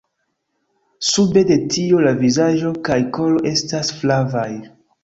Sube de tio la vizaĝo kaj kolo estas flavaj.